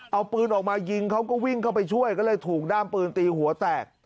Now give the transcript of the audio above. เอาปืนออกมายิงเขาก็วิ่งเข้าไปช่วยก็เลยถูกด้ามปืนตีหัวแตก